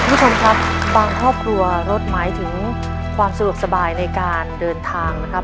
คุณผู้ชมครับบางครอบครัวรถหมายถึงความสะดวกสบายในการเดินทางนะครับ